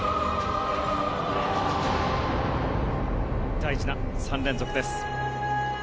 大事な３連続です。